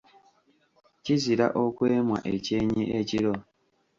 Kizira okwemwa ekyenyi ekiro.